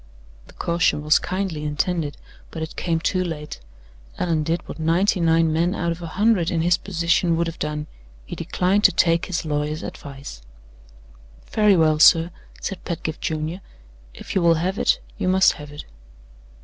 The caution was kindly intended; but it came too late. Allan did what ninety nine men out of a hundred in his position would have done he declined to take his lawyer's advice. "Very well, sir," said Pedgift Junior; "if you will have it, you must have it."